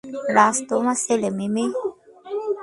রাজ তোমার ছেলে, মিমি।